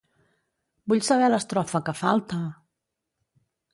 Vull saber l'estrofa que falta!